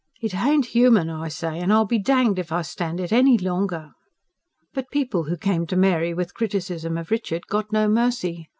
It h'ain't 'uman, I say, and I'll be danged if I stand it h'any longer." But people who came to Mary with criticism of Richard got no mercy.